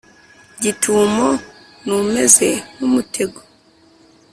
gitumo n umeze nk umutego